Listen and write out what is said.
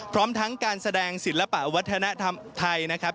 พร้อมทั้งการแสดงศิลปะวัฒนธรรมไทยนะครับ